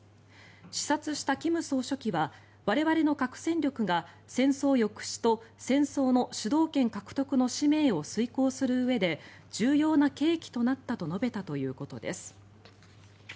視察した金総書記は我々の核戦力が戦争抑止と戦争の主導権獲得の使命を遂行するうえで重要な契機となったと述べたということです。